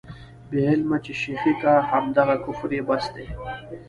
بې علمه چې شېخي کا، همدغه کفر یې بس دی.